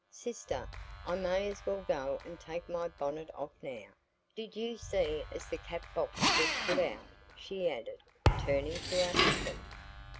"Sister, I may as well go and take my bonnet off now. Did you see as the cap box was put out?" she added, turning to her husband.